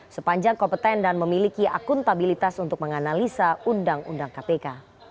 sepanjang kompeten dan memiliki akuntabilitas untuk menganalisa undang undang kpk